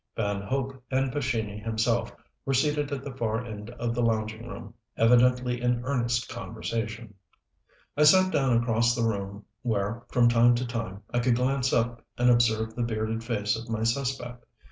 Van Hope and Pescini himself were seated at the far end of the lounging room, evidently in earnest conversation. I sat down across the room where from time to time I could glance up and observe the bearded face of my suspect.